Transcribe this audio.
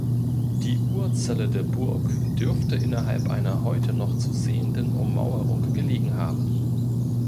Die Urzelle der Burg dürfte innerhalb einer heute noch zu sehenden Ummauerung gelegen haben.